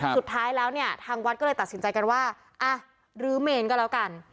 สุดท้ายแล้วเนี่ยทางวัดก็เลยตัดสินใจกันว่าอ่ะลื้อเมนก็แล้วกัน